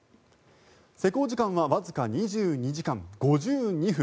施工時間はわずか２２時間５２分。